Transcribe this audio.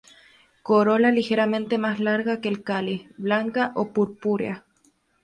Corola ligeramente más larga que el cáliz, blanca o purpúrea.